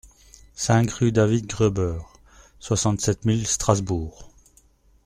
cinq rue David Gruber, soixante-sept mille Strasbourg